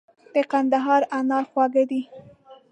د کندهار انار خواږه دي.